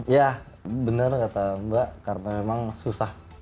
ya benar kata mbak karena memang susah